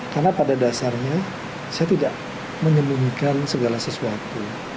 karena pada dasarnya saya tidak menyembunyikan segala sesuatu